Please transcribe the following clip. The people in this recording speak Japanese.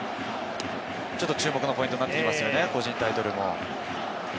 ちょっと注目のポイントになってきますね、個人タイトルも。